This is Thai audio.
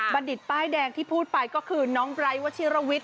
ดิตป้ายแดงที่พูดไปก็คือน้องไร้วัชิรวิทย